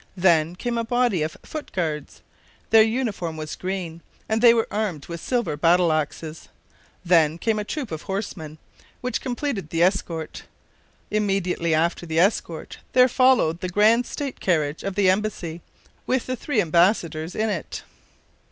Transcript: Then came a body of foot guards: their uniform was green, and they were armed with silver battle axes. Then came a troop of horsemen, which completed the escort. Immediately after the escort there followed the grand state carriage of the embassy, with the three embassadors in it.